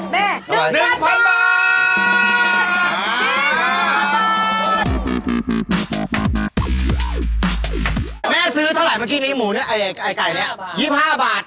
แม่ซื้อเท่าไหร่เมื่อกี้ไอ้หมูเนี่ยไอ้ไก่นี้๒๕บาท๒๕บาท